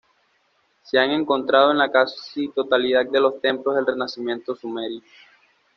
Se han encontrado en la casi totalidad de los templos del renacimiento sumerio.